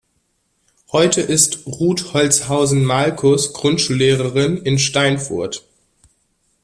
Heute ist Ruth Holzhausen-Malkus Grundschullehrerin in Steinfurt.